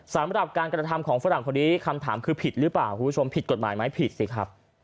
สำหรับการกระทำของฝรั่งคนนี้คำถามคือผิดหรือเปล่าคุณผู้ชมผิดกฎหมายไหมผิดสิครับ